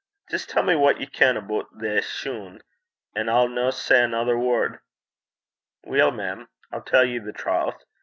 'Jist tell me what ye ken aboot thae shune, an' I'll no say anither word.' 'Weel, mem, I'll tell ye the trowth.